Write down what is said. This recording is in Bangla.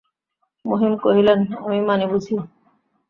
মহিম কহিলেন, আমি মানি বুঝি!